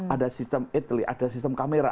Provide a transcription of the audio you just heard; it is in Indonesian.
ada sistem etely ada sistem kamera